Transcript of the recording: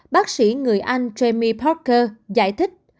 bác sĩ người anh jamie parker giải thích